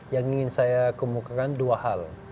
yang ingin saya kemukakan dua hal